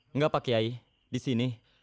enggak pak kiai di sini